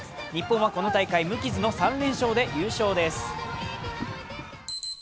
日本はこの大会無傷の３連勝で優勝です。